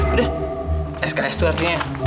udah sks tuh artinya